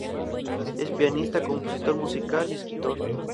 Es pianista, compositor musical y escritor.